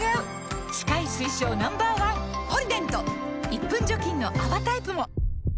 １分除菌の泡タイプも！